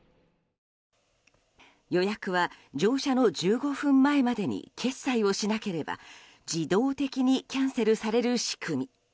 予約は乗車の１５分前までに決済をしなければ自動的にキャンセルされる仕組み。